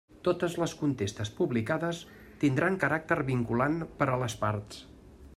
Totes les contestes publicades tindran caràcter vinculant per a les parts.